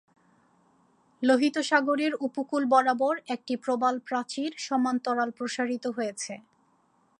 লোহিত সাগরের উপকূল বরাবর একটি প্রবাল প্রাচীর সমান্তরাল প্রসারিত হয়েছে।